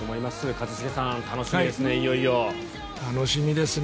一茂さん、楽しみですね。